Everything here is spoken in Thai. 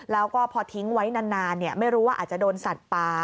แล้วก็พอทิ้งไว้นานไม่รู้ว่าอาจจะโดนสัตว์ป่า